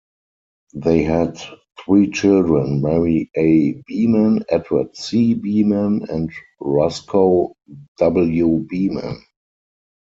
They had three children, Mary A. Beaman, Edward C. Beaman, and Roscoe W. Beaman.